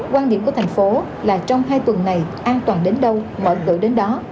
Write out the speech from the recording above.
quan điểm của thành phố là trong hai tuần này an toàn đến đâu mọi người đến đó